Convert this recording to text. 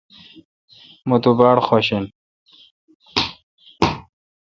مہ تو باڑ خوش این۔